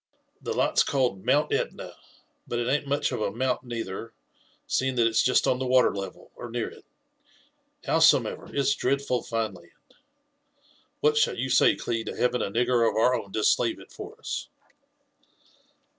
'* The lot's called Mount Etna ; but it an't much of a mount either, seeing that it's jest on the water level, or near it. Howsomever, it's dreadful fine land. What shall you say, Cli, to having a nigger of our own to slave it for us